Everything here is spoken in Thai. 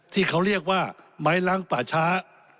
ที่เขาเรียกว่าไม้ล้างป่าช้า